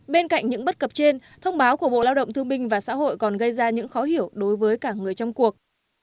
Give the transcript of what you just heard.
bên cạnh những bất cập trên thông báo của bộ lao động thương minh và xã hội còn gây ra những khó hiểu đối với cả người trong cuộc